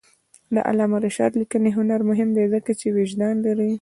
د علامه رشاد لیکنی هنر مهم دی ځکه چې وجدان لري.